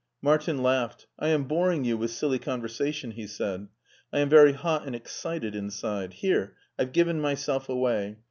Martin laughed. " I am boring you with silly con versation," he said, " I am very hot and excited inside. Here, I've given myself away.